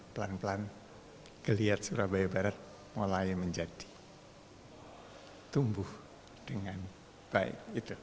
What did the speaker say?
pelan pelan geliat surabaya barat mulai menjadi tumbuh dengan baik